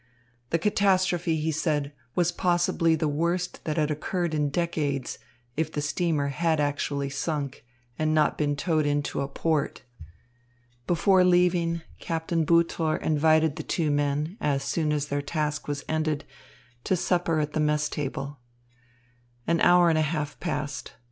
The catastrophe, he said, was possibly the worst that had occurred in decades, if the steamer had actually sunk and not been towed into a port. Before leaving, Captain Butor invited the two men, as soon as their task was ended, to supper at the mess table. An hour and a half passed.